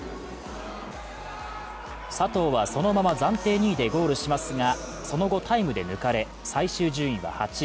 佐藤はそのまま暫定２位でゴールしますがその後、タイムで抜かれ、最終順位は８位。